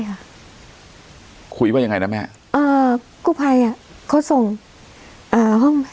ค่ะคุยว่ายังไงนะแม่เอ่อกู้ภัยอ่ะเขาส่งอ่าห้อง